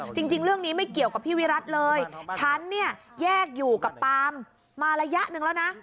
จริงเรื่องนี้ไม่เกี่ยวกับพี่วิรัติเลยฉันเนี่ยแยกอยู่กับปามมาระยะหนึ่งแล้วนะ